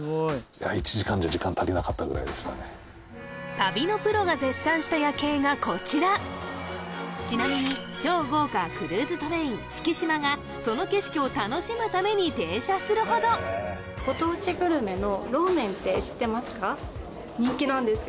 旅のプロが絶賛した夜景がこちらちなみに超豪華クルーズトレイン「四季島」がその景色を楽しむために停車するほどって知ってますか？